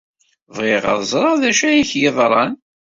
Bɣiɣ ad ẓreɣ d acu ay ak-yeḍran...